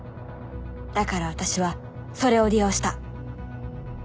だから私はそれを利用した。